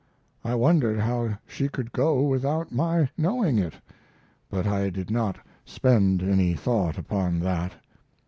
I wondered how she could go without my knowing it, but I did not spend any thought upon that.